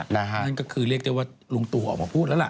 นั่นก็คือเรียกได้ว่าลุงตู่ออกมาพูดแล้วล่ะ